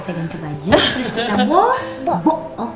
kita ganti baju terus kita boh boh